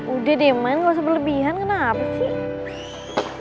udah lan nggak usah berlebihan kenapa sih